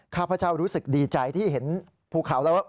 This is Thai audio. ข้าพเจ้ารู้สึกดีใจที่เห็นภูเขาแล้ว